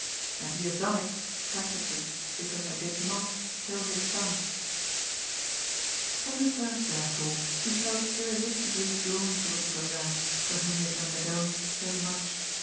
And he has done it, practically, because I did not kill his son." ALAS, POOR HUBERT! 373 From the first, therefore, he felt irresistibly drawn towards the lad for whom he had undergone so much.